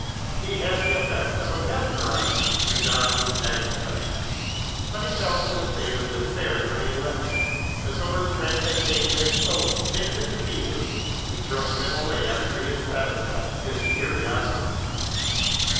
He had the effect of a mesmeriser, and John was magnetised. But he felt in a state of despair when he left him, as though his friend had taken his soul, picked it to pieces and thrown them away after he had satisfied his curiosity.